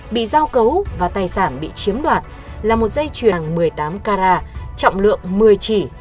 bị giao cấu và tài sản bị chiếm đoạt là một dây chuyền một mươi tám carat trọng lượng một mươi chỉ